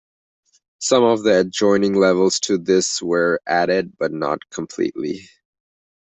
Some of the adjoining levels to this were added, but not completely.